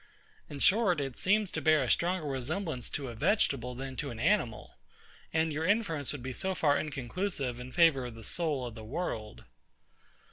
In short, it seems to bear a stronger resemblance to a vegetable than to an animal, and your inference would be so far inconclusive in favour of the soul of the world.